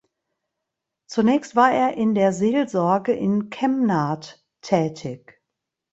Zunächst war er in der Seelsorge in Kemnath tätig.